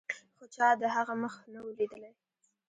خو چا د هغه مخ نه و لیدلی.